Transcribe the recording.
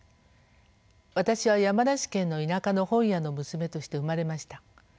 私は山梨県の田舎の本屋の娘として生まれました。